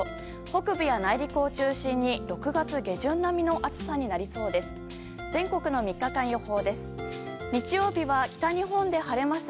北部や内陸を中心に６月下旬並みの暑さになりそうです。